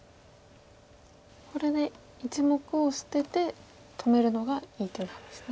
これで１目を捨てて止めるのがいい手なんですね。